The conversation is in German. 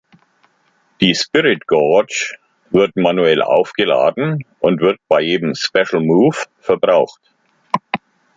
Die "Spirit gauge" wird manuell aufgeladen, und wird bei jedem "Special move" verbraucht.